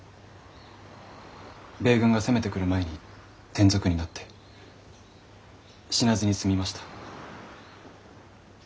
米軍が攻めてくる前に転属になって死なずに済みました。